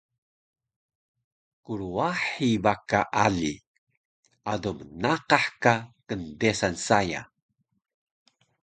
Krwahi ba ka ali, ado mnaqah ka kndesan saya